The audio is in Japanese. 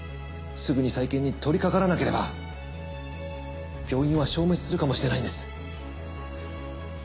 すぐに再建に取りかからなければ病院は消滅するかもしれないんです。